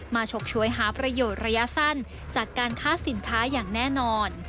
ฉกชวยหาประโยชน์ระยะสั้นจากการค้าสินค้าอย่างแน่นอน